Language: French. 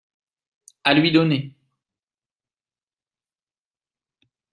à lui donner.